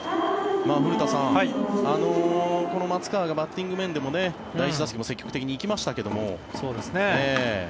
古田さん、この松川がバッティング面でも第１打席も積極的に行きましたけども。